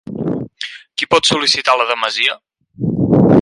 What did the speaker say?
Qui pot sol·licitar la demesia?